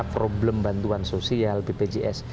problem bantuan sosial bpjs